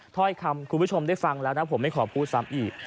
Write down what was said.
ถ้อยคำคุณผู้ชมได้ฟังแล้วนะผมไม่ขอพูดซ้ำอีก